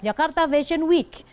jakarta fashion week